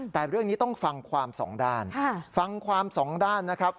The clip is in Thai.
แต่เรื่องนี้ต้องฟังความสองด้านฟังความสองด้านนะครับ